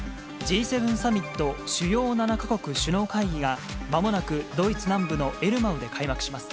Ｇ７サミット・主要７か国首脳会議が、まもなくドイツ南部のエルマウで開幕します。